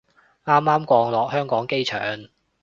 啱啱降落香港機場